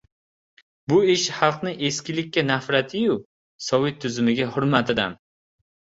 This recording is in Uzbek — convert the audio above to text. — Bu ish xalqni eskilikka nafrati-yu, sovet tuzumiga hurmatidan!